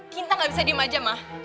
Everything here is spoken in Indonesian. kita gak bisa diem aja mah